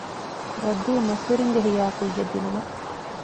ގައްދޫ މަސްވެރިންގެ ހިޔާ ކުއްޔަށް ދިނުމަށް